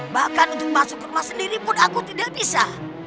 bahkan untuk masuk ke rumah sendiri pun aku tidak bisa